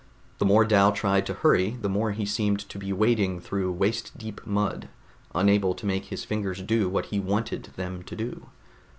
The more Dal tried to hurry the more he seemed to be wading through waist deep mud, unable to make his fingers do what he wanted them to do.